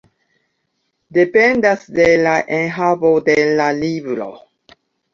Dependas de la enhavo de la libro.